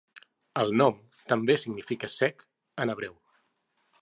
El nom també significa "sec" en hebreu.